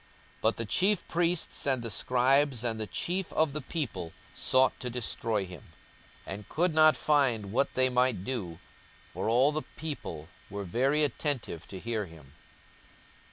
But the chief priests and the scribes and the chief of the people sought to destroy him, 42:019:048 And could not find what they might do: for all the people were very attentive to hear him.